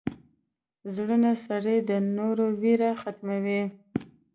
• زړور سړی د نورو ویره ختموي.